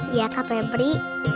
iya kak pebri